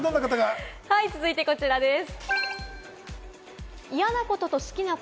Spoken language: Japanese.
続いてこちらです。